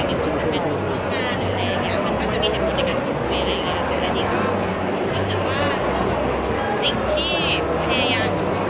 เราไม่ต้องทำหน้านี้หรอกนะแต่ว่าแบบกูไม่ได้มีอะไรที่ความแบบ